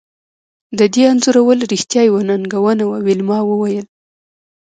د دې انځورول رښتیا یوه ننګونه وه ویلما وویل